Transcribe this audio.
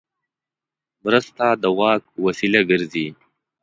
مرسته د واک وسیله ګرځي.